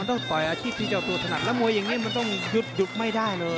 ต้องปล่อยอาชีพพี่เจ้าตัวสนัดแล้วมวยแบบนี้เรายุ่ทไม่ได้เลย